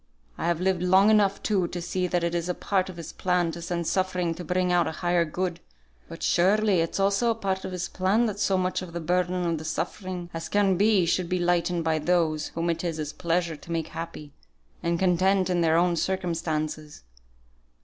I have lived long enough, too, to see that it is part of His plan to send suffering to bring out a higher good; but surely it's also part of His plan that as much of the burden of the suffering as can be, should be lightened by those whom it is His pleasure to make happy, and content in their own circumstances.